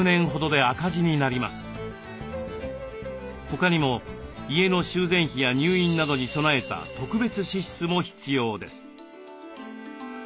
他にも家の修繕費や入院などに備えた特別支出も必要です。